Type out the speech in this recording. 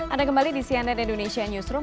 anda kembali di cnn indonesia newsroom